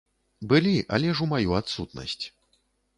Былі, але ж у маю адсутнасць.